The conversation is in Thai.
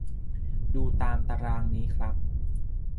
ดูตามตารางนี้ครับ